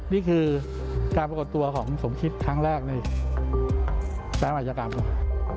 นี่คือการปรากฏตัวของสมคิตครั้งแรกในแปลกว่าอันยากรรม